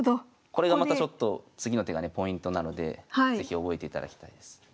これがまたちょっと次の手がねポイントなので是非覚えていただきたいです。